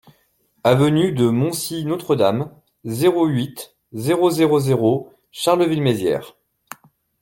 Avenue de Montcy-Notre-Dame, zéro huit, zéro zéro zéro Charleville-Mézières